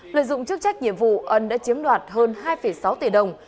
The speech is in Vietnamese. lợi dụng chức trách nhiệm vụ ân đã chiếm đoạt hơn hai sáu tỷ đồng